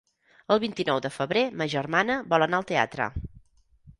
El vint-i-nou de febrer ma germana vol anar al teatre.